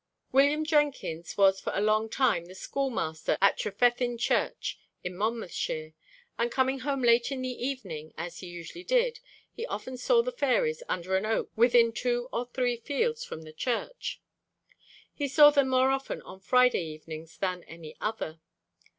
William Jenkins was for a long time the schoolmaster at Trefethin church, in Monmouthshire, and coming home late in the evening, as he usually did, he often saw the fairies under an oak within two or three fields from the church. He saw them more often on Friday evenings than any other.